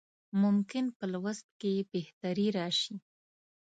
ممکن په لوست کې یې بهتري راشي.